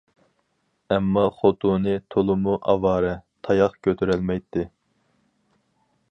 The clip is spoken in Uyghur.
ئەمما خوتۇنى تولىمۇ ئاۋارە، تاياق كۆتۈرەلمەيتتى.